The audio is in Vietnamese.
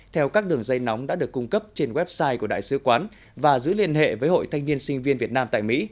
theo các đường dây nóng đã được cung cấp trên website của đại sứ quán và giữ liên hệ với hội thanh niên sinh viên việt nam tại mỹ